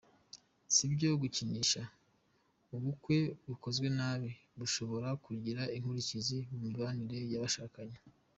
Si ibyo gukinisha, ubukwe bukozwe nabi bushobora kugira inkurikizi ku mibanire y’abashakanye.